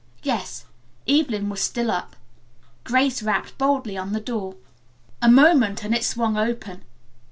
Yes, Evelyn was still up. Grace rapped boldly on the door. A moment and it swung open.